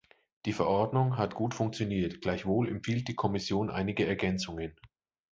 Die Verordnung hat gut funktioniert, gleichwohl empfiehlt die Kommission einige Ergänzungen.